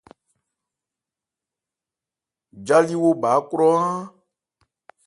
Jâlíwo bha ákrɔ áán.